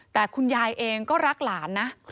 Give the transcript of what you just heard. แต่คุณยายเองก็รักหลานนะ